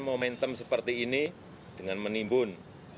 momentum seperti ini dengan menimbun